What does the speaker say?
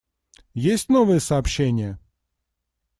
Есть новые сообщения?